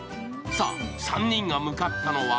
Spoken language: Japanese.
さぁ、３人が向かったのは？